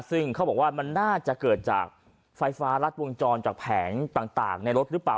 ซึ่งเขาบอกว่ามันน่าจะเกิดจากไฟฟ้ารัดวงจรจากแผงต่างในรถหรือเปล่า